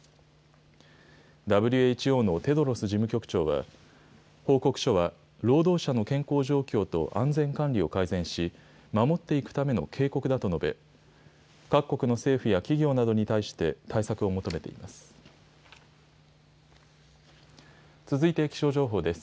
ＷＨＯのテドロス事務局長は、報告書は、労働者の健康状況と安全管理を改善し、守っていくための警告だと述べ、各国の政府や企業などに対して、対策を求めています。